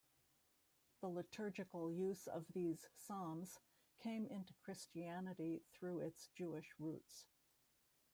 The liturgical use of these psalms came into Christianity through its Jewish roots.